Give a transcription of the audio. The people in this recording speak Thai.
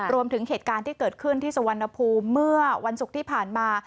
เหตุการณ์ที่เกิดขึ้นที่สุวรรณภูมิเมื่อวันศุกร์ที่ผ่านมา